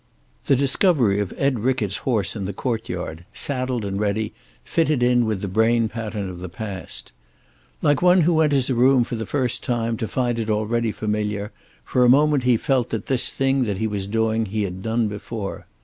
The discovery of Ed Rickett's horse in the courtyard, saddled and ready, fitted in with the brain pattern of the past. Like one who enters a room for the first time, to find it already familiar, for a moment he felt that this thing that he was doing he had done before.